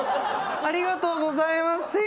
ありがとうございます。